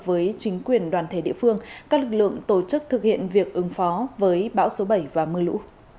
với chính quyền đoàn thể địa phương các lực lượng tổ chức thực hiện việc ứng phó với bão số bảy và mưa lũ